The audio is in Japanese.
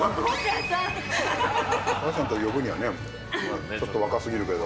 お母さんと呼ぶにはちょっと若すぎるけど。